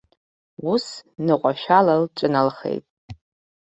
Ус ныҟәашәала лҿыналхеит.